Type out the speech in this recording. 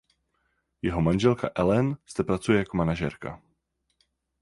Jeho manželka Elaine zde pracuje jako manažerka.